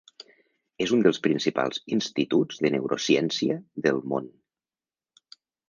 És un dels principals instituts de neurociència del món.